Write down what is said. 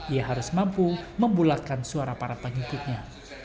ia harus mampu membulatkan suara para pengikutnya